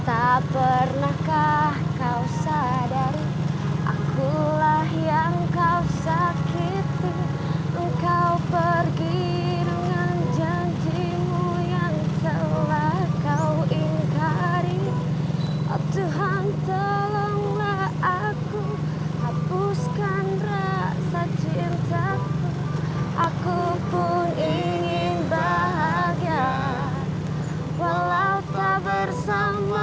aku ingin bahagia walau tak bersama dia